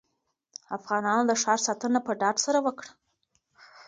افغانانو د ښار ساتنه په ډاډ سره وکړه.